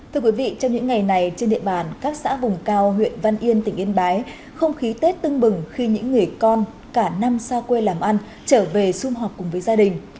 thưa quý vị trong những ngày này trên địa bàn các xã vùng cao huyện văn yên tỉnh yên bái không khí tết tưng bừng khi những người con cả năm xa quê làm ăn trở về xung họp cùng với gia đình